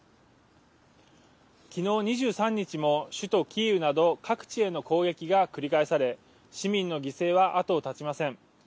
昨日２３日も首都キーウなど各地への攻撃が繰り返され市民の犠牲は後を絶ちません。